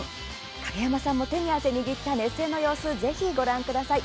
影山さんも手に汗握った熱戦の様子、ぜひご覧ください。